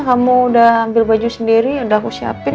kamu udah ambil baju sendiri udah aku siapin